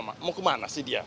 mau kemana sih dia